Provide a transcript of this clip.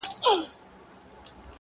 • شیخ ته ورکوي شراب کشیش ته د زمزمو جام,